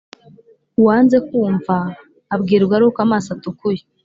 Uwanze kwumva abwirwa ari uko amaso atukuye.